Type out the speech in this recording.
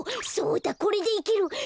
そうだこれでいける！